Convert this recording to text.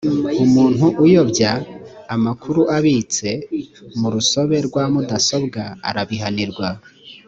umuntu uyobya amakuru abitse mu rusobe rwa mudasobwa arabihanirwa